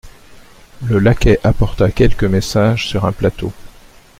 Le laquais apporta quelques messages sur un plateau.